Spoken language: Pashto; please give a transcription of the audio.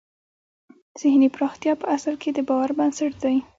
ذهني پراختیا په اصل کې د باور بنسټ دی